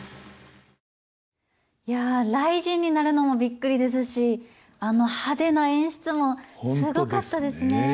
いや雷神になるのもびっくりですしあの派手な演出もすごかったですね。